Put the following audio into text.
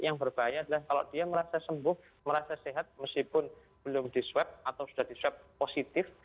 yang berbahaya adalah kalau dia merasa sembuh merasa sehat meskipun belum diswab atau sudah diswab positif